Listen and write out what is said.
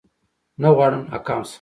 نه غواړم ناکام شم